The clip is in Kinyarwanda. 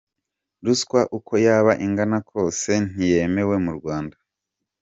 Ruswa uko yaba ingana kose ntiyemewe mu Rwanda.